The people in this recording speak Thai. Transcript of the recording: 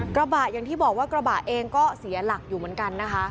กระบะอย่างที่บอกว่ากระบะเองก็เสียหลักอยู่เหมือนกันนะคะ